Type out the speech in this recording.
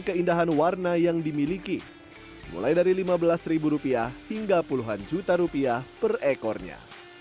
keindahan warna yang dimiliki mulai dari lima belas ribu rupiah hingga puluhan juta rupiah per ekornya